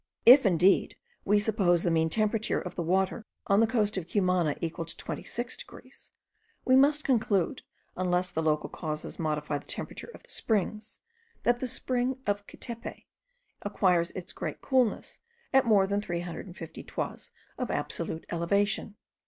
If indeed we suppose the mean temperature of the water on the coast of Cumana equal to 26 degrees, we must conclude, unless other local causes modify the temperature of the springs, that the spring of Quetepe acquires its great coolness at more than 350 toises of absolute elevation.